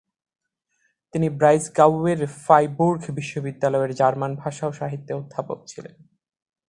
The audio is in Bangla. তিনি ব্রাইসগাউয়ের ফ্রাইবুর্গ বিশ্ববিদ্যালয়ের জার্মান ভাষা ও সাহিত্যের অধ্যাপক ছিলেন।